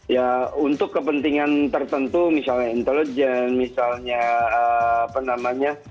ya untuk kepentingan tertentu misalnya intelijen misalnya apa namanya